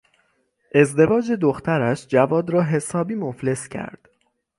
ازدواج دخترش جواد را حسابی مفلس کرد.